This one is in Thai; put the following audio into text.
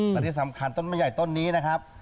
และที่สำคัญต้นไม้ใหญ่ต้นนี้นะครับ